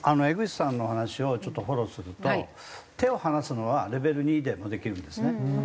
江口さんのお話をちょっとフォローすると手を離すのはレベル２でもできるんですね。